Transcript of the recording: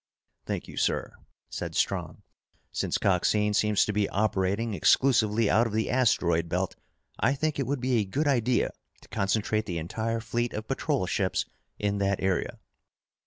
"Thank you, sir," said Strong. "Since Coxine seems to be operating exclusively out of the asteroid belt, I think it would be a good idea to concentrate the entire fleet of patrol ships in that area."